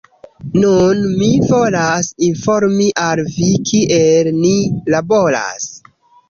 Nun mi volas informi al vi, kiel ni laboras